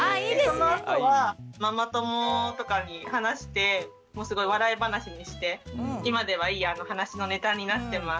そのあとはママ友とかに話してすごい笑い話にして今ではいい話のネタになってます。